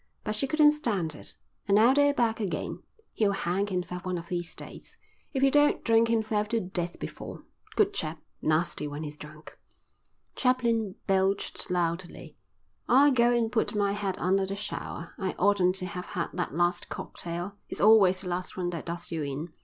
But she couldn't stand it, and now they're back again. He'll hang himself one of these days, if he don't drink himself to death before. Good chap. Nasty when he's drunk." Chaplin belched loudly. "I'll go and put my head under the shower. I oughtn't to have had that last cocktail. It's always the last one that does you in."